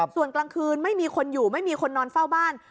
ส่วนกลางคืนไม่มีคนอยู่ไม่มีคนนอนเฝ้าบ้าน